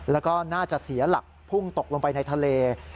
แล้วก็น่าจะเสียหลักพุ่งตกลงไปในทะเล